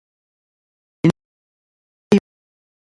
Madrinaypa padrinuypa.